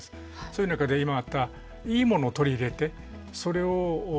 そういう中で今あったいいものを取り入れてそれをまた外に出すと。